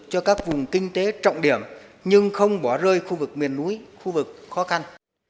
cho các vùng kinh tế trọng điểm nhưng không bỏ rơi khu vực miền núi khu vực khó khăn